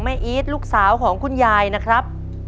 อีทลูกสาวของคุณยายนะครับ